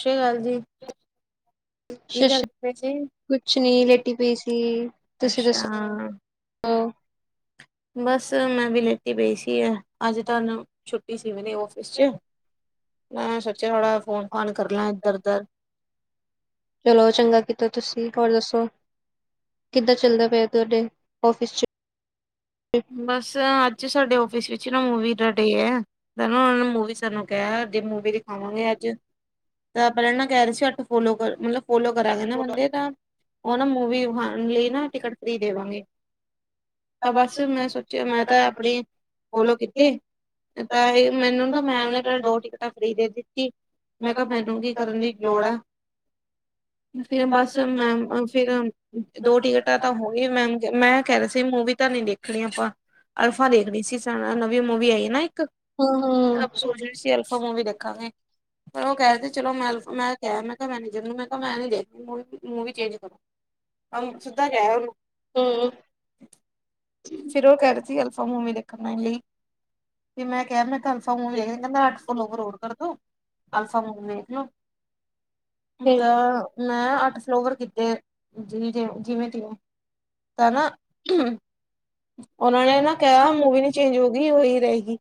ਸਤਿ ਸ਼੍ਰੀ ਅਕਾਲ ਜੀ ਕੀ ਗੱਲ ਸ਼ਸ਼ ਵੀਰਜੀ ਕੁਛ ਨੀ ਠੀਕ ਏ ਲੇਟੀ ਪਈ ਸੀ ਤੁਸੀਂ ਦੱਸੋ? ਅੱਛਾ ਬੱਸ ਮੈਂ ਵੀ ਲੇਟੀ ਪਈ ਸੀ। ਅੱਜ ਤੁਹਾਨੂੰ ਛੁੱਟੀ ਸੀ ਮੇਰੇ ਔਫ਼ੀਸਰ ਚ ਮੈਂ ਸੋਚਿਆ ਥੋੜਾ ਫੋਨ ਫਾਨ ਕਰ ਲੈ ਇੱਧਰ ਉਧਰ ਚਲੋ ਸ਼ ਤਾ ਤੁਸੀਂ ਹੋਰ ਦੱਸੋ ਕਿੱਦਾਂ ਚੱਲਦਾ ਪਿਆ ਤੁਹਾਡੇ ਔਫ਼ੀਸ ਚ ਬੱਸ ਅੱਜ ਸਾਡੇ ਔਫ਼ੀਸ ਵਿੱਚ ਨਾ ਮੂਵੀ ਦਾ ਡੇ ਹੈ ਤਾਂ ਉਹ ਨੇ ਮੂਵੀ ਸਾਨੂੰ ਕਿਹਾ ਜੇ ਮੂਵੀ ਦਿਖਾਵਾਂਗੇ ਅੱਜ ਤਾਂ ਪਹਿਲਾਂ ਨਾ ਕਹਿ ਰਹੇ ਸੀ। ਅੱਠ ਫੋਲੋ ਕਰ ਮਤਲਬ ਫੋਲੋ ਕਰਾਂਗੇ ਨਾ ਬੰਦੇ ਤਾਂ ਉਹ ਨਾ ਮੂਵੀ ਦਿਖਾਣ ਲਈ ਨਾ ਟਿਕਟ ਫਰੀ ਦੇਵਾਂਗੇ। ਤਾਂ ਬੱਸ ਮੈਂ ਸੋਚਿਆ ਮੈਂ ਤਾਂ ਆਪਣੇ ਫੋਲੋ ਕੀਤੇ। ਤਾਂ ਇਹ ਮੈਨੂੰ ਮੈਮ ਨੇ ਪਹਿਲਾਂ ਦੋ ਟਿਕਟਾਂ ਫਰੀ ਦੇ ਦਿੱਤੀ। ਮੈਂ ਕਿਹਾ ਮੈਨੂੰ ਕੀ ਕਰਨ ਦੀ ਲੋੜ ਆ। ਫਿਰ ਬੱਸ ਮੈਮ ਫਿਰ ਦੋ ਟਿਕਟਾਂ ਤਾਂ ਹੋਈ ਮੈਮ ਮੈਂ ਕਹਿ ਰਿਹਾ ਸੀ ਮੂਵੀ ਤਾਂ ਨਹੀ ਦੇਖ ਦੇਖਣੀ ਆਪਾਂ ਅਲਫਾ ਦੇਖਣੀ ਸੀ ਸ ਮੂਵੀ ਆਈ ਨਾ ਇੱਕ ਹੂੰ ਹੂੰ ਆਪ ਸੋਚ ਰਹੇ ਸੀ ਅਲਫਾ ਮੂਵੀ ਦੇਖਾਂਗੇ। ਪਰ ਉਹ ਕਹਿਦੇ ਚਲੋ ਮੈਂ ਮੈਂ ਕਿਹਾ ਮੈਂ ਕਿਹਾ ਮੈਨੇਜਰ ਨੂੰ ਮੈਂ ਕਿਹਾ ਮੈਂ ਨਿ ਦੇਖਨਿ ਮੂਵੀ, ਮੋਵੀਏ ਚੇਂਜ ਕਰੋ। ਹਮ ਸਿੱਧਾ ਕਹਿ ਹੂੰ ਉਹਨੂੰ। ਫੀਰ ਉਹ ਕਿ ਰਹੇ ਸੀ ਅਲਫਾ ਮੂਵਿ ਦੇਖਣ ਆਣ ਲਈ ਜੇ ਮੈਂ ਕਹਿ ਦਾ ਮੈ ਅਲਫਾ ਮੂਵ ਦੇੇਖ ਕਹਿੰਦਾ, ਅੱਠ ਫੁੱਲ ਓਵਰ ਹੋਰ ਕਰ ਦੋ ਅਲਫਾ ਮੂਵ ਵ ਵੇਖ ਲਓ ਫਿਰ ਤਾਂ ਮੈਂ ਅੱਠ ਫਲੋਵਰ ਕੀਤੇ। ਜੀ ਜਿਵੇਂ ਜਿਵੇਂ ਜਿਵੇਂ ਤਾਂ ਨਾ। ਉਹਨਾਂ ਨੇ ਨਾ ਕਿਹਾ ਮੂਵੀ ਨੀ ਚੇਂਜ ਹੋਗੀ ਉਹੀ ਰਹੇਗੀ।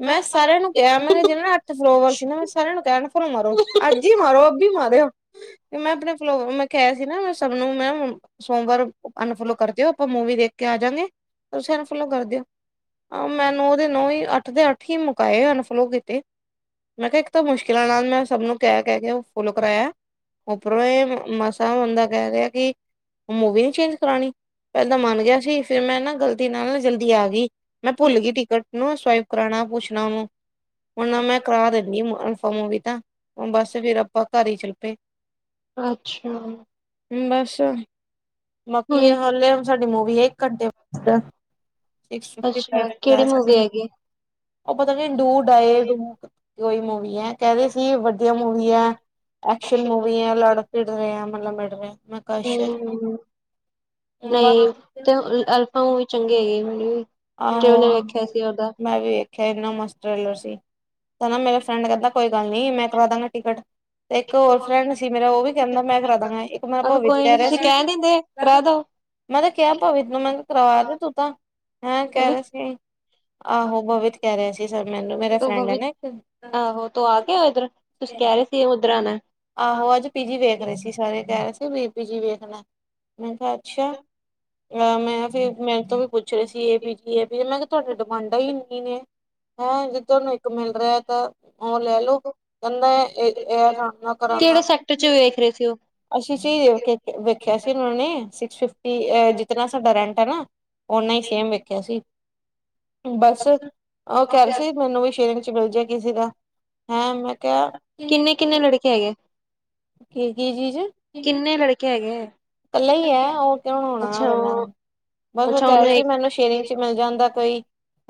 ਮੈਂ ਸਾਰਿਆਂ ਨੂੰ ਕਿਹਾ, ਮੈਂ ਜਿਹੜੇ ਨਾ ਹੱਥ ਫਲੋਵਰ ਸੀ, ਨਾ ਮੈਂ ਸਾਰਿਆਂ ਨੂੰ ਕਿਹਾ ਫੁੱਲ ਮਾਰੋ। ਅੱਜ ਹੀ ਮਾਰੋ ਅਭੀ ਮਾਰਓ, ਤੇ ਮੈਂ ਆਪਣੇ ਫਲੋਵਰਸ ਮੈਂ ਕਿਹਾ ਸੀ ਨਾ ਮੈਂ ਸਭ ਨੂੰ ਮੈਂ। ਸੋਮਵਾਰ ਅਨਫੋਲੋ ਕਰਦੇ ਹੋ ਆਪਾਂ ਮੂਵੀ ਦੇਖ ਆ ਜਾਂਗੇ ਤੁਸੀਂ ਸਨੂੰ ਅਨਫੋਲੋਂ ਕਰਦੇਓ ਮੈਂ ਨੋ ਦੇ ਨੌ ਹੀ ਅੱਠ ਦੇ ਅੱਠ। ਤੁਸੀਂ ਮੁਕਾਏ ਅਨਫੋਲੋਂ ਕੀਤੇ। ਮੈਂ ਕਿਹਾ ਇੱਕ ਤਾਂ ਮੁਸ਼ਕਿਲਾਂ ਨਾਲ ਮੈਂ ਸਭ ਨੂੰ ਕਹਿ ਕਹਿ ਕੇ ਉਹ ਫੁਲੋ ਕਰਵਾਇਆ ਉੱਪਰੋਂ ਇਹ ਮਸਾ। ਬੰਦਾ ਹੁਨ ਟਾ ਕਹਿ ਰਿਹਾ ਕਿ ਮੂਵੀ ਨੀ ਚੇਂਜ ਕਰਾਉਣੀ ਪਹਿਲਾਂ ਮੰਨ ਗਿਆ ਸੀ। ਜੀ ਫਿਰ ਮੈਂ ਨਾ ਗ਼ਲਤੀ ਨਾਲ ਨਾ ਜਲਦੀ ਆ ਗਈ ਮੈਂ ਭੁੱਲ ਗਈ ਟਿਕਟ। ਉਹਨੂੰ ਸਵਾਇਪ ਕਰਾਉਣਾ ਪੁੱਛਣਾ ਉਹਨੂੰ ਉਹ ਨਾ ਮੈਂ ਕਰਾ ਦਿੰਦੀ। ਓਹ ਮੋਵੀ ਤਾਂ ਬਸ ਫੇਰ ਆਪਾਂ ਘਰ ਹੀ ਚਲਪੇ। ਅੱਛਾ। ਬਸ ਬਾਕੀ ਇਹ ਹਾਲੇ ਹਿਨ ਸਾਡੀ ਮੂਵੀ ਹੈ। ਘੰਟੇ ਅੱਛਾ ਕਿਹੜੀ ਮੂਵੀ [unintelligible] ਹੈਗੀ ਉਹ ਪਤਾ ਨਹੀਂ ਡੂ ਡਾਏ ਡੂ। ਦੋ ਹੀ ਮੂਵੀਆ ਹੈ, ਕਹਿੰਦੇ ਸੀ ਵਧੀਆ ਮੂਵੀ ਹੈ। ਐਕਸ਼ਨ ਮੂਵੀ ਐ ਲੜ ਭਿੜ ਰਏ ਐ ਮਤਲਬ ਮਿਡ ਰਏ ਐਂ। ਹੂੰ-ਹੂੰ, ਆਹੋ ਨਈ ਤੇ ਅਲਫਾ ਮੂਵੀ ਚੰਗੀ ਹੈਗੀ ਐ ਹੁਨ ਵੀ। ਕਿਓ ਨੀ ਵੇਖਿਆ ਸੀ ਓਦਾ। ਖੈ ਐਨਾ ਮਸਤ ਟਰੇਲਰ ਸੀ, ਕੈਂਦਾ ਮੇਰਾ ਫਰੈਂਡ ਕੈਂਦਾ ਕੋਈ ਗੱਲ ਨੀ ਮੈਂ ਕਰਾਦਾਂਗਾ ਟਿਕਟ। ਤੇ ਇੱਕ ਹੋਰ ਫਰੈਂਡ ਸੀ ਮੇਰਾ ਓ ਵੀ ਕੈਂਦਾ ਮੈਂ ਕਰਾਦਾਂਗਾ ਇੱਕ ਮੇਰਾ ਭਵਿਤ ਕੈ ਰਿਆ ਸੀ। ਤੇ ਕਰਾ ਦੋ। ਮੈਂ ਕਿਹਾ ਕਿਆ ਭਵਿਤ ਨੂੰ ਮੈਂ ਕਿਆ ਕਰਵਾਦੇ ਤੂੰ ਤਾਂ, ਹੈਂ ਕੈ ਭਵਿਤ ਰਿਆ ਸੀ ਆਹੋ ਬਵਿਤ ਕੈ ਰਿਆ ਸੀ ਨਾ ਸਾਨੂੰ ਮੇਰਾ ਤੂੰ ਫਰੈਂਡ ਐ ਭਵਿਤ ਨਾ ਇੱਕ। ਕੀ ਓਦਰਾਂ ਨੇ ਆਹੋ ਅੱਜ ਪੀਜੀ ਵੇਖ ਰਏ ਸੀ ਸਾਰੇ ਕੈ ਰਏ ਸੀ ਵੀ ਪੀ ਜੀ ਵੇਖਨਾ, ਮੈਂ ਕਿਆ ਅੱਛੇਆ। ਅਹ ਮੈਂ ਮੇਰੇ ਤੋਂ ਵੀ ਪੁੱਛ ਰਏ ਸੀ ਏਹ ਪੀ ਜੀ ਏਹੀ ਐ ਮੈਂ ਕਿਆ ਤੁਆਡੇ ਤੋਂ ਮੰਨਦਾ ਈ ਨਈ ਨੇ, ਹੈਂ ਜੇ ਤਾਨੂੰ ਇੱਕ ਮਿਲ ਰਿਆ ਤਾਂ ਓ ਲੈ ਲੋ ਕੈਂਦਾ ਏ [unintelligible] ਕੇੜੇ ਸੈਕਟਰ ਚ ਵੇਖ ਰਏ ਸੀ ਓ। ਅਸੀਂ ਚ ਵੀ ਵੇਖਿਆ ਸੀ ਓਨਾਂ ਨੇ ਸਿਕਸਟੀ ਵੀ ਐ ਜਿਤਨਾ ਸਾਡਾ ਰੈਂਟ ਐ ਨਾ, ਓਨਾ ਈ ਸੇਮ ਵੇਖਿਆ ਸੀ। ਬਸ ਓ ਕੈ ਰਏ ਸੀ ਥੋਨੂੰ ਵੀ ਸ਼ੇਰਿੰਗ ਚ ਮਿਲਜੇ ਕਿਸੇ ਦਾ। ਹੈਂ ਮੈਂ ਕਿਆ ਕਿੰਨੇ ਕਿੰਨੇ ਲੜਕੇ ਹੈਗੇ ਕੀ-ਕੀ ਚੀਜ਼ ਕਿੰਨੇ ਲੜਕੇ ਹੈਗੇ ਐ? ਕੱਲਾ ਈ ਐ ਓ ਕਿ ਹੁਨ ਔਣਾ ਪੈਲਾਂ ਬਸ ਓ ਅੱਛਾ ਕਹਿ ਉਹਨੂੰ ਰਏ ਸੀ ਇੱਕ ਮੈਨੂੰ ਸ਼ੇਅਰਿੰਗ ਚ ਮਿਲ ਜਾਂਦਾ ਕੋਈ,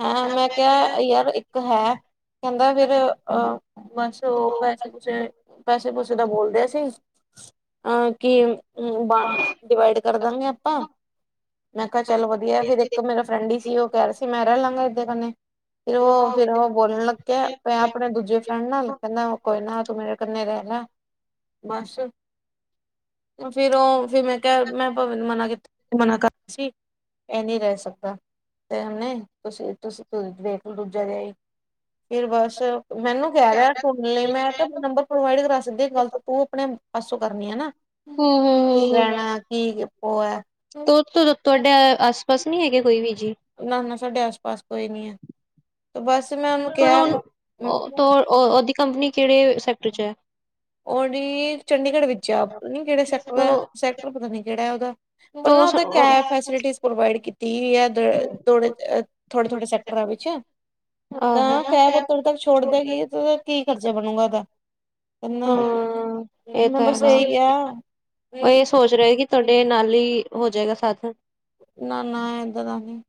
ਹੈਂ ਮੈਂ ਕਿਆ ਯਾਰ ਇੱਕ ਹੈ। ਕੈਦਾ ਫਿਰ ਅਹ ਬਸ ਓ ਪੈਸੇ ਪੂਸੇ ਪੈਸੇ ਪੂਸੇ ਦਾ ਬੋਲਦੇ ਸੀ। ਅਹ ਕੀ ਵੰ ਡਿਵਾਈਡ ਕਰਦਾਂਨੇ ਆਂ ਆਪਾਂ। ਮੈਂ ਕਿਆ ਚਲ ਵਧੀਆ ਫੇਰ ਇੱਕ ਮੇਰਾ ਫਰੈਂਡ ਈ ਸੀ ਓ ਕੈ ਰਿਐ ਸੀ ਮੈਂ ਰੈਲਾਂਗਾ ਏਦਾਂ ਬੰਨੇ। ਫਿਰ ਓ ਫਿਰ ਓਹ ਬੋਲਨ ਲੱਗ ਗਿਆ। ਮੈ ਆਪਨੇ ਦੂਜੇ ਫਰੈਂਡ ਨਾਲ ਕੈਂਦਾ ਓ ਕੋਈ ਨਾ ਤੂੰ ਮੇਰੇ ਕੰਨੇ ਰੈ ਲੈ। ਬਸ, ਫਿਰ ਓ ਫਿਰ ਮੈਂ ਕਿਆ ਮੈਂ ਭਾਬੀ ਨੂੰ ਮਨਾ ਕੀਤਾ। ਮਨਾ ਕਰਤਾ ਸੀ। ਐ ਨੀ ਰਹਿ ਸਕਦਾ, ਓਨੇ ਤੇੇ ਤੁਸੀ-ਤੁਸੀ ਦੇਖਲੋ ਦੂਜਾ ਵਿਆਈ- ਫਿਰ ਬਸ ਮੈਨੂੰ ਕੈ ਰਿਆ ਫੋਨ ਲਈ ਮੈ ਤਾਂ ਨੰਬਰ ਪ੍ਰੋਵਾਈਡ ਕਰਾ ਸਕਦੀ ਆ ਗੱਲ ਤਾ ਤੂੰ ਆਪਨੇ ਪਾਸੋਂ ਕਰਨੀ ਆ ਨਾ, ਹੂੰ ਹੂੰ ਕੀ ਲੈਣਾ ਕੀ ਓਹੋ ਐ। ਤੇ ਓਥੋਂ ਤਾਂ ਤੁਆਡੇ ਆਸ-ਪਾਸ ਨੀ ਹੈਗੇ ਕੋਈ ਵੀ ਜੀ। ਨਾ-ਨਾ ਸਾਡੇ ਆਸ-ਪਾਸ ਕੋਈ ਨੀ ਐ, ਤੇ ਬਸ ਮੈ ਓਨੂੰ ਕਿਆ ਓ ਓਦੀ ਕੰਪਨੀ ਕੇੜੇ ਸੈਕਟਰ ਚ ਐ। ਓਦੀ ਚੰਡੀਗੜ੍ਹ ਵਿਚ ਆ ਪਤਾ ਨੀ ਕੇੜੇ ਸੈਕਟਰ ਐ ਸੈਕਟਰ ਪਤਾ ਨੀ ਕੇੜੈ ਓਦਾ। ਪਰ ਨਾ ਓਥੇ ਕੈਬ ਫੈਸੀਲਿਟੀਜ਼ ਪ੍ਰੋਵਾਈਡ ਕੀਤੀ ਹੋਈ ਐ ਥੋੜੇ-ਥੋੜੇ ਸੈਕਟਰਾਂ ਵਿਚ ਆਹੋ ਤਾਂ ਹਾਂ ਕੈਬ ਉਤਰ ਤੱਕ ਛੋੜਦੇਗੀ ਤੇ ਕੀ ਖਰਚਾ ਬਨੂਗਾ ਓਦਾ। ਹਾਂ ਏ ਮੈਂ ਤਾਂ ਬਸ ਹੈਗਾ, ਇਹੀ ਕਿਹਾ ਓਈ ਸੋਚ ਰਏਗੀ ਤਾਡੇ ਨਾਲ ਈ ਹੋ ਜਾਏਗਾ ਸਾਧਨ। ਨਾ-ਨਾ ਐਦਾਂ ਦਾ ਨੀ।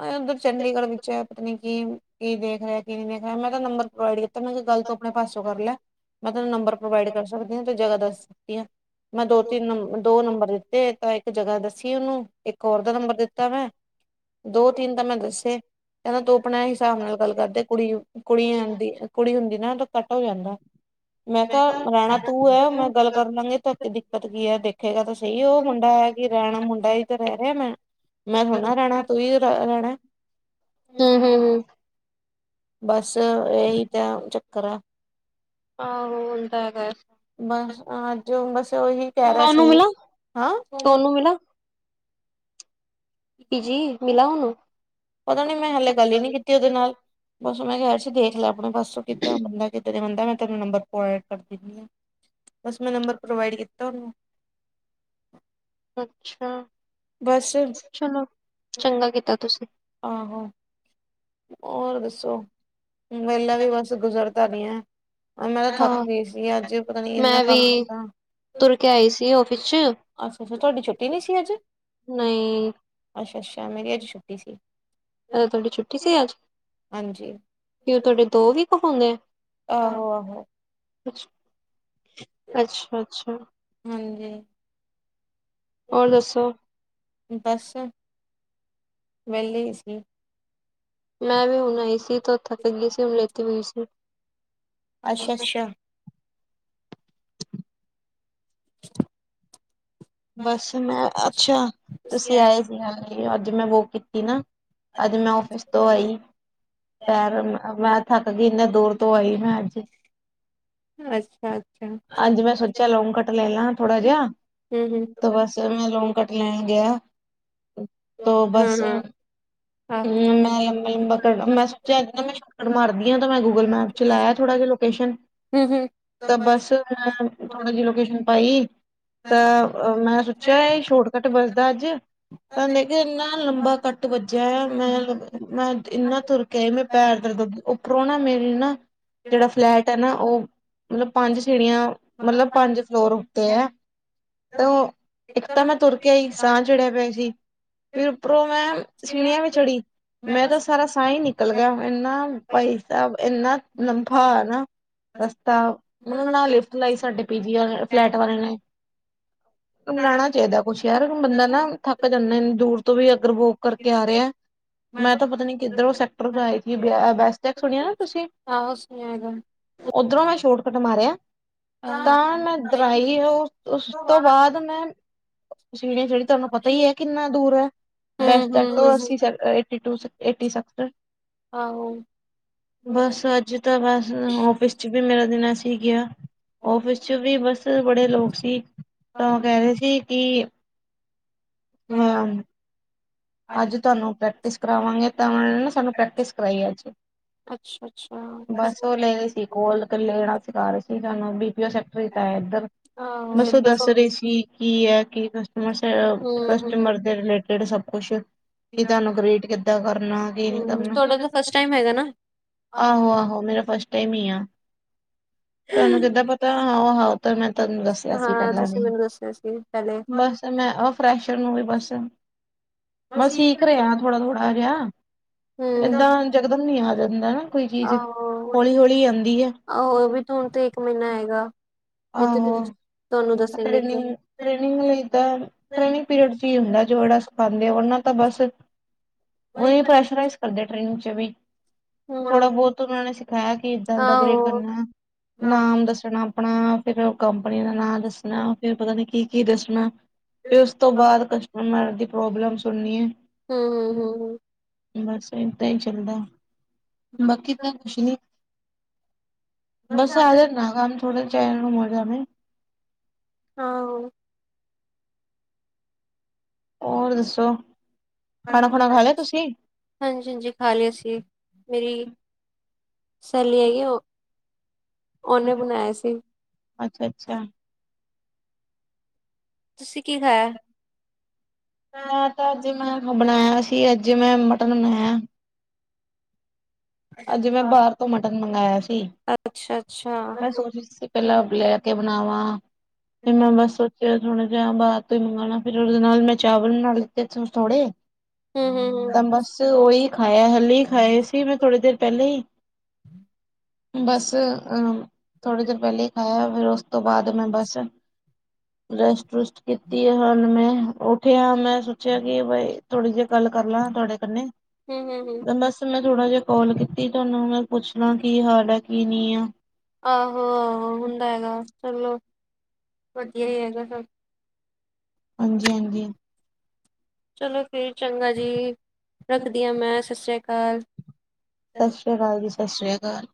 ਆ ਏਦਰ ਚੰਡੀਗੜ੍ਹ ਵਿਚ ਐ ਪਤਾ ਨੀ ਕੀ ਕੀ ਦੇਖ ਰਿਆ ਕੀ ਨੀ ਦੇਖ ਰਿਆ ਮੈਂ ਤਾ ਨੰਬਰ ਪ੍ਰੋਵਾਈਡ ਕੀਤਾ ਮੈ ਕਿਆ ਗੱਲ ਤੂੰ ਆਪਣੇ ਪਾਸੋਂ ਕਰ ਲੈ ਮੈ ਤੈਨੂੰ ਨੰਬਰ ਪ੍ਰੋਵਾਈਡ ਕਰ ਸਕਦੀ ਹ, ਤੇ ਜਗ੍ਹਾ ਦੱਸ ਸਕਦੀ ਹਾਂ। ਮੈ ਦੋ -ਤਿੰਨ ਨੰ, ਦੋ ਨੰਬਰ ਦਿਤੇ ਤਾਂ ਇੱਕ ਜਗ੍ਹਾ ਦੱਸੀ ਉਹਨੂੰ, ਇੱਕ ਹੋਰ ਦਾ ਨੰਬਰ ਦਿਤਾ ਮੈ- ਦੋ- ਤਿੰਨ ਤਾਂ ਮੈ ਦੱਸੇ, ਕਹਿਦਾ ਤੂੰ ਆਪਣੇ ਹਿਸਾਬ ਨਾਲ ਗੱਲ ਕਰਦੇ ਕੁੜੀ, ਕੁੜੀਆਂ ਦੀ- ਕੁੜੀ ਹੁੰਦੀ ਨਾ, ਤਾਂ ਕੱਦ ਹੋ ਜਾਦਾ- ਮੈ ਕਿਹਾ, ਰਹਿਣਾ ਤੂੰ ਹੈ। ਮੈਂ ਗੱਲ ਕਰ ਲਾਂਗੇ ਧ ਦਿਕਤ ਕੀ ਹੈ ਦੇਖੇਗਾ ਤੁ- ਸਹੀ ਉਹ ਮੁੰਡਾ ਹੈ। ਕਿ ਰਹਿਣਾ ਮੁੰਡਾ ਹੀ ਤਾਂ ਰਹਿ ਰਿਹਾ ਮੈ- ਮੈ ਥੋੜਾ ਰਹਿਣਾ- ਕੀ ਰਹਿਣਾ- ਹਮ ਹਮ ਹਮ ਬਸ, ਇਹੀ ਤਾਂ ਚੱਕਰ ਆ। ਆਹੋ, ਹੁੰਦਾ ਹੈਗਾ। ਬਸ, ਅੱਜ ਬਸ ਉਹੀ ਕਹਿ ਰਿਹਾ ਉਹਨੂੰ ਸੀ, ਮਿਲਾ ਹਾਂ- ਉਹਨੂੰ ਮਿਲਾ ਪੀਜੀ, ਮਿਲਾਓ ਨੂੰ- ਪਤਾ ਨੀ ਮੈ ਹਲੇ ਗੱਲ ਹੀ ਨੀ ਕੀਤੀ ਉਹਦੇ ਨਾਲ- ਬਸ ਮੈਂ ਕਿਹਾ ਸੀ ਦੇਖ ਲੈ ਆਪਣੇ ਬਸ ਕਿਦਾਂ ਬੰਦਾ ਕਿਦਾਂ ਬੰਦਾ ਮੈਂ ਤੈਨੂੰ ਨੰਬਨੋਟ ਕਰ ਦਿੰਦੀ ਹ- ਬਸ ਮੈ ਨੰਬਰ ਪ੍ਰੋਵਾਈਡ ਕੀਤਾ ਉਹਨੂੰ- ਅਛਾ- ਬਸ- ਚਲੋ, ਚੰਗਾ ਕੀਤਾ ਤੁਸੀ- ਆਹੋ- ਹੋਰ ਦੱਸੋ, ਵੇਲਾ ਵੀ ਬਸ ਗੁਜ਼ਰਦਾ ਨੀ ਹੈ। ਮੈਂ ਤਾਂ ਥੱਕ ਹਾਂ ਗਈ ਸੀ ਅੱਜ ਪਤਾ ਨੀ ਇਨਾ ਮੈਂ ਵੀ ਕਮ ਕੀਤਾ- ਤੁਰ ਕੇ ਆਈ ਸੀ ਆਫਿਸ ਚ ਅਛਾ- ਅਛਾ, ਤੁਹਾਡੀ ਛੁਟੀ ਨੀ ਸੀ ਅਜ- ਨਹੀ- ਅਛਾ- ਅਛਾ, ਮੇਰੀ ਅੱਜ ਛੁੱਟੀ ਸੀ। ਅੱਛਾ ਅੱਜ ਤੁਹਾਡੀ ਛੁੱਟੀ ਸੀ ਅੱਜ, ਹਾਂਜੀ ਕਿ ਉਹ ਤੁਹਾਡੇ ਦੋ ਵੀ ਕਹਾਉਦੇ ਆ। ਆਹੋ- ਆਹੋ- ਅਛ, ਅਛਾ- ਅਛਾ- ਹਾਂਜੀ- ਹੋਰ ਦੱਸੋ- ਬਸ, ਵਿਹਲੀ ਹੀ ਸੀ। ਮੈਂ ਵੀ ਹੁਣ ਆਈ ਸੀ, ਬੋਹਤ ਥੱਕ ਗਈ ਸੀ, ਹੁਣ ਲੇਟੀ ਹੋਈ ਸੀ। ਅਛਾ- ਅਛਾ- [inaudible] ਬਸ ਮੈਂ ਅਛਾ, ਤੁਸੀ ਅੱਛਾ-ਅੱਛਾ। ਆਏ ਸੀ ਆ, ਅੱਜ ਮੈ ਵੋਕ ਕੀਤੀ ਨਾ- ਅੱਜ ਮੈ ਆਫਿਸ ਤੋਂ ਆਈ, ਪੈਰ ਮੈ- ਥੱਕ ਗਈ, ਇੰਨੇ ਦੂਰ ਤੋਂ ਆਈ ਮੈਂ ਅੱਜ ਅੱਜ ਮੈਂ ਸੋਚਿਆ ਲੋਂਗ ਕੱਟ ਲੈ ਲ ਹਾਂ ਥੋੜਾ ਜਿਹਾ ਹੂੰ-ਹੂੰ, ਤਾਂ ਬਸ, ਮੈਂ ਲੋਨ ਕੱਟ ਲੈਣ ਗਿਆ ਤੋ ਬਸ, ਹੂੰ-ਹੂੰ ਆਹੋ। ਮੈਂ ਲੰਬਾ- ਲੰਬਾ ਮੈਂ ਸੋਚਿਆ ਚੱਕਰ ਮਰਦੀ ਹਾਂ, ਮੈਂ ਗੂਗਲ ਮੈਪ 'ਚ ਲਾਇਆ ਥੋੜਾ ਜਹਾ ਲੋਕੇਸ਼ਨ ਹੂੰ-ਹੂੰ। ਤਾਂ ਬਸ, ਮੈਂ ਥੋੜੀ ਜਹੀ ਲੋਕੇਸ਼ਨ ਪਾਈ ਤਾਂ, ਮੈਂ ਸੋਚਿਆ ਇਹ ਸ਼ੋਰਟਕੱਟ ਵੱਜਦਾਅੱਜ, ਤਾਂ ਇੰਨਾ ਲੰਬਾ ਕੱਟ ਵੱਜਿਆ, ਮੈਂ, ਮੈਂ ਇੰਨਾ ਤੁਰ ਕੇ ਆਈ, ਮੈਂ ਪੈਰ ਦਰ ਦ, ਉੱਪਰੋਂ ਨਾ ਮੇਰੀ ਨਾ ਜਿਹੜਾ ਫਲੈਟ ਹੈ ਨਾ ਉਹ, ਮਤਲਬ ਪੰਜ ਸੀੜੀਆਂ, ਮਤਲਬ ਪੰਜ ਫਲੋਰ ਉੱਤੇ ਹੈ ਤੇ ਉਹ, ਇੱਕ ਤਾਂ ਮੈਂ ਤੁਰ ਕੇ ਆਈ ਸਾਹ ਚੜਿਆ ਪਿਆ ਸੀ ਫਿਰ ਉੱਪਰੋਂ ਮੈਂ ਸੀੜੀਆਂ ਵੀ ਚੜੀ ਮੈਂ ਤਾਂ ਸਾਰਾ ਅਹੀਂ ਨਿਕਲ ਗਿਆ ਇੰਨਾ ਭਾਈ ਸਾਬ ਇੰਨਾ ਲੰਬਾ ਨਾ ਰਸਤਾ ਮਤਲਬ ਨਾ ਲਿਫਟ ਲਾਈ ਸਾਡੇ ਪੀ ਜੀ ਵਾਲੇ ਫਲੈਟ ਵਾਲੇ ਨੇ ਲਾਣਾ ਚਾਹੀਦਾ ਕੁਛ ਯਾਰ ਹੁਨ ਬੰਦਾ ਨਾ ਥੱਕ ਜਾਂਦਾ ਦੂਰ ਤੋਂ ਵੀ ਅਗਰ ਵੋਕ ਕਰਕੇ ਆ ਰਿਆ। ਮੈਂ ਤਾ ਪਤਾ ਨੀ ਕਿੱਧਰੋਂ ਸੈਕਟਰ ਤੋਂ ਆਈ ਸੀ ਬੈਸਟੈਕ ਸੁਣਿਆ ਨਾ ਤੁਸੀਂ ਕੁਛ ਨੀ ਹੈਗਾ। ਓਧਰੋਂ ਮੈਂ ਸ਼ੋਟ ਕੱਟ ਮਾਰਿਆ ਤਾਂ ਮੈਂ ਦਵਾਈ ਓ ਉਸ ਤੋਂ ਬਾਦ ਮੈਂ ਸੀੜੀਆਂ ਚੜੀ ਤੁਹਾਨੂੰ ਪਤਾ ਹੀ ਹ ਕਿੰਨਾ ਦੂਰ ਐ। ਬਸ ਸਟੈਂਡ ਤੋਂ ਅਸੀਂ ਚੱਲੇ ਹਾਂ ਏਟੀ ਟੂ ਤੋਂ ਏੱਟੀ ਸੈਕਟਰ ਆਹੋ ਹੂੰ, ਬਸ ਅੱਜ ਤਾਂ ਬਸ ਔਫਿ ਫਿਸ ਮੇਰਾ ਦਿਨਾ ਏਸੀ ਗਿਆ ਹੂੰ, ਹੂੰ, ਔਫਿਸ 'ਚ ਵੀ ਬਸ ਹੂੰ ਬੜੇ ਲੋਕ ਸੀ। ਤਾਂ ਆਹੋ। ਓ ਕਹਿ ਰਈ ਸੀ ਕਿ ਹੋਇਆ ਅੱਜ ਤੁਹਾਨੂੰ ਪ੍ਰੈਕਟਿਸ ਕਰਾਵਾਂਗੇ ਤਾਂ ਉਹਨਾਂ ਨੇ ਸਾਨੂੰ ਪ੍ਰੈਕਟਿਸ ਕਰਾਈ ਅੱਜ ਅੱਛਾ-ਅੱਛਾ ਕੋਲ ਲੈਣਾ ਸਿਖਾ ਰਏ ਸੀ ਤੁਾਨੂੰ ਬੀ ਪੀਓ ਸੈਕਟਰ ਤਾ ਇੱਧਰ ਆਹੋ ਬੱਸੋ ਇਧਰ ਦੱਸ ਤੋਂ ਰਈ ਸੀ ਕੀ ਹੈ ਕੀ ਕਸਟਮਰ ਹਮ ਹਮ -ਕਸਟਮਰ ਦੇ ਰਿਲੇ ਕੇੜੇ ਸਭ ਕੁਛ ਕੀ ਤੁਹਾਨੂੰ ਕਰੇਟ ਕਿੱਦਾਂ ਕਰਨਾ ਕੀ ਨਈ ਹਮ ਕਰਨਾ ਤੁਹਾਡਾ ਤਾਂ ਫਸਟ ਟਾਈਮ ਹੈਗਾ ਨਾ ਆਹੋ-ਆਹੋ ਮੇਰਾ ਫਸਟ ਟਾਈਮ ਹੀ ਆ ਤੁਹਾਨੂੰ ਕਿੱਦਾਂ ਪਤਾ ਆਹੋ-ਆਹੋ ਮੈਂ ਤੁਹਾਨੂੰ ਦੱਸਿਆ ਸੀ ਹਾਂ ਪੈਲਾਂ ਵੀ ਤੁਸੀਂ ਮੈਨੂੰ ਦੱਸਿਆ ਸੀ ਪਹਿਲੇ ਬਸ ਮੈਂ ਅਫਰੈਸ਼ਰ ਨੂੰ ਵੀ ਬਸ ਮੈਂ ਸੀਖ ਰਿਆ ਥੋੜਾ-ਥੋੜ੍ਹਾ ਜਿਹਾ ਹਮ ਏਦਾਂ ਜਕਦਮ ਨੀ ਆ ਜਾਂਦਾ ਨਾ ਕੋਈ ਚੀਜ਼ ਆਹੋ ਹੌਲੀ-ਹੌਲੀ ਆਦੀ ਐ। ਆਹੋ ਵੀ ਤੇ ਹੁਣ ਤੇ ਇੱਕ ਮ੍ਹੀਨਾ ਹੈਗਾ। ਜਿੱਥੇ ਆਹੋ ਤੁਸੀਂ ਤੁਹਾਨੂੰ ਦੱਸਣਗੇ ਕਿ ਟਰੇਨਿੰਗ-ਟਰੇਨਿੰਗ ਲਈ ਦਾ ਟਰੇਨਿੰਗ ਪੇੜ 'ਚ ਹੁੰਦਾ ਜੋ ਜੇੜਾ ਸਿਖਾ ਦੇ ਉਹਨਾਂ ਤਾਂ ਬਸ ਓ ਪ੍ਰੈਸ਼ ਕਰਦੇ ਟ੍ਰੇਨਿੰਗ 'ਚ ਵੀ ਥੋੜਾ ਹਮ ਬੋਤ ਉਹਨਾ ਨੇ ਸਿਖਾਇਆ ਕਿ ਏਦਾਂ ਇਦਾਂ ਟਾਰੀਰੇਟ ਆਹੋ ਕਰਨਾ ਹਮ ਨਾਮ ਦੱਸਣਾ ਆਪਣਾ ਫਿਰ ਓ ਕੰਪਨੀ ਦਾ ਨਾਂ ਦੱਸਣਾ ਫਿਰ ਪਤਾ ਨੀ ਕੀ-ਕੀ ਦੱਸਣਾ ਫਿਰ ਉਸ ਤੋਂ ਬਾਦ ਉਨਾ ਦੀ ਪ੍ਰੋਬਲਮ ਸੁਣਣੀ ਐ। ਹੂੰ ਬਸ ਏਦਾਂ ਈ ਚੱਲਦਾ ਬਾਕੀ ਦਾਂ ਕੁਛ ਨੀ ਬਸ ਹਮ ਸਾਰੇ ਨਾ ਕੰਮ ਥੋੜੇ ਚਿਰ ਨੂੰ ਮੁੱਕ ਜਾਵੇ ਆਹੋ ਹੋਰ ਦੱਸੋ। ਹਾਂਜੀ-ਹਾਂਜੀ ਲਿਆ ਸੀ ਮੇਰੀ ਸਹੇਲੀ ਹੈਗੀ ਓ ਓਨੇ ਬਣਾਇਆ ਸੀ। ਅੱਛਾ-ਅੱਛਾ ਤੁਸੀਂ ਕੀ ਖਾਇਆ ਮੈਂ ਤਾਂ ਅੱਜ ਮੈਂ ਬਣਾਇਆ ਸੀ ਅੱਜ ਮੈਂ ਮਟਨ ਬਣਾਇਆ। ਅੱਜ ਮੈਂ ਬਾਰ ਤੋਂ ਮਟਨ ਮੰਗਾਇਆ ਸੀ ਅੱਛਾ-ਅੱਛਾ। ਮੈਂ ਸੋਚ ਰਈ ਸੀ। ਪੈਲਾਂ ਬਲੈ ਕੇ ਬਣਾਵਾਂ ਫੇਰ ਮੈਂ ਹੂੰ-ਹੂੰ-ਹੂੰ। ਬਸ ਕੇ ਥੋੜੇ ਦੇਹਾ ਬਾਦ ਤੇ ਮੰਗਾਣਾ ਫਿਰ ਉਹਦੇ ਨਾਲ ਮੈਂ ਚਾਵਲ ਬਣਾ ਲੇ। ਏਥੋ ਸੋੜੇ ਤਾਂ ਬਸ ਤੇ ਓਹੀ ਖਾਯਾ ਹਲੇ ਹੀ ਖਾਏ ਸੀ ਮੈਂ ਥੋੜੀ ਦੇਰ ਪੈਲੇ ਈ। [inaudible] ਬਸ ਅਹ ਥੋੜੇ ਦਿਨ ਪੈਲੇ ਖਾਇਆ ਫੇਰ ਓਸ ਤੋਂ ਬਾਦ ਮੈਂ ਬਸ ਰੈਸਟਰੁਸਟ ਕੀਤੀ ਏ, ਹੋਣ ਮੈਂ ਉੱਠਿਆ ਮੈਂ ਉਠੀ ਆ ਸੋਚਿਆ ਕਿ ਬਈ ਥੋੜ੍ਹੀ ਦੇਰ ਗੱਲ ਕਰ ਲਾਂ ਤੁਹਾਡੇ ਕਣੇ। ਹੂੰ-ਹੂੰ-ਹੂੰ। ਤੇ ਬਸ ਮੈਂ ਥੋੜਾ ਜਿਹਾ ਕੋਲ ਕੀਤੀ ਤੁਆਨੂੰ ਮੈਂ ਪੁੱਛਣਾ ਕੀ ਹਾਲ ਐ ਕੀ ਨੀ ਆ। ਆਹੋ ਆਹੋ ਹੁੰਦਾ ਹੈਗਾ, ਚਲੋ ਵਧੀਆ ਹੀ ਹੈਗਾ ਸਭ। ਹਾਂਜੀ, ਹਾਂਜੀ। ਚਲੋ ਫੇਰ ਚੰਗਾ ਜੀ ਰੱਖਦੀ ਆ ਮੈਂ ਸਤ ਸ੍ਰੀ ਕਾਲ। ਸਤ ਸ਼੍ਰੀ ਕਾਲ ਜੀ ਸਤ ਸ਼੍ਰੀ ਕਾਲ।